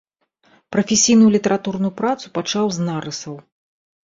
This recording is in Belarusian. Прафесійную літаратурную працу пачаў з нарысаў.